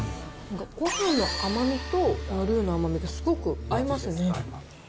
ごはんの甘みと、このルーの甘みがすごく合いますね。